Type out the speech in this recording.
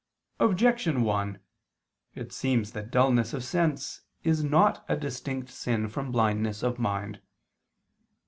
Objection 1: It seems that dulness of sense is not a distinct sin from blindness of mind.